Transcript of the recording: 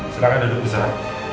silakan duduk di sana